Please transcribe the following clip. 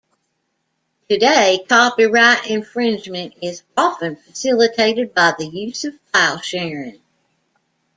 Today copyright infringement is often facilitated by the use of file sharing.